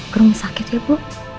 gerung sakit ya bu